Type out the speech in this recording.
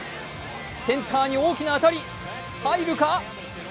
センターに大きな当たり、入るか？